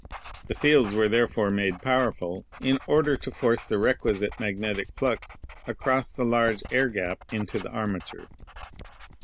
The fields were therefore made powerful in order to force the requisite magnetic flux across the large air gap into the armature.